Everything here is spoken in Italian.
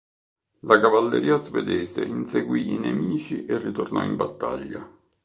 La cavalleria svedese inseguì i nemici e ritornò in battaglia.